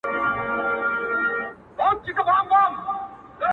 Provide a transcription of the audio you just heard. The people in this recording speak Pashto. اوښکي دې توی کړلې ډېوې!! راته راوبهيدې!!